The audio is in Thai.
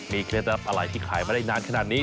เคล็ดลับอะไรที่ขายมาได้นานขนาดนี้